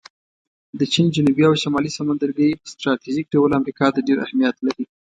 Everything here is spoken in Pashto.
د چین جنوبي او شمالي سمندرګی په سټراټیژیک ډول امریکا ته ډېر اهمیت لري